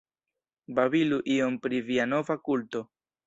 Babilu iom pri via nova kulto.